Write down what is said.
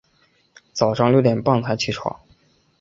早上六点半才起床